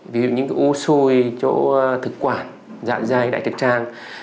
ví dụ như u xôi chỗ thực quản dạ dày đại trật trang